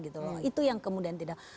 itu yang kemudian tidak